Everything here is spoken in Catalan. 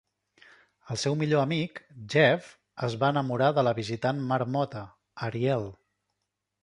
El seu millor amic, Jeff, es va enamorar de la visitant "marmota", Ariel.